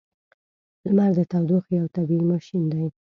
• لمر د تودوخې یو طبیعی ماشین دی.